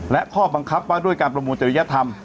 และข้อบังคับว่าด้วยการประมูลจริยธรรม